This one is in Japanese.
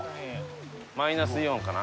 マイナスイオンかな？